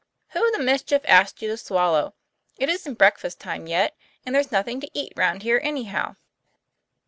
" Who the mischief asked you to swallow ? It isn't breakfast time yet, and there's nothing to eat round here, anyhow."